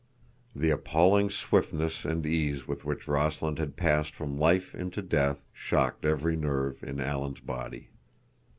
The appalling swiftness and ease with which Rossland had passed from life into death shocked every nerve in Alan's body.